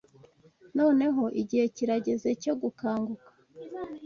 Noneho igihe kirageze cyo gukanguka